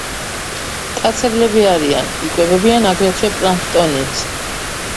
მტაცებლები არიან, იკვებებიან აგრეთვე პლანქტონით.